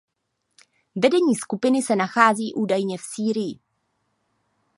Vedení skupiny se nachází údajně v Sýrii.